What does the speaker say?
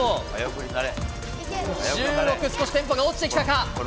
１４、１５、１６、少しテンポが落ちてきたか。